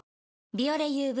「ビオレＵＶ」